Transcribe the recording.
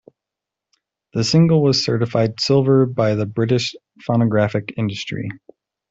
The single was certified silver by the British Phonographic Industry.